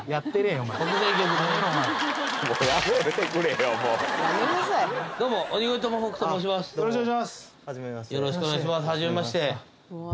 よろしくお願いします